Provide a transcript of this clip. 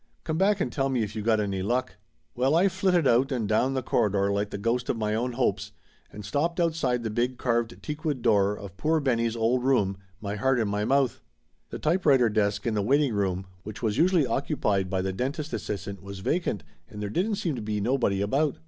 Come back and tell me if you got any luck !" Well, I flitted out and down the corridor like the ghost of my own hopes, and stopped outside the big carved teakwood door of poor Benny's old room, my heart in my mouth. The typewriter desk in the wait ing room, which was usually occupied by the dentist assistant, was vacant, and there didn't seem to be no body about.